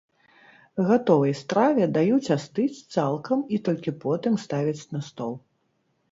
Гатовай страве даюць астыць цалкам і толькі потым ставяць на стол.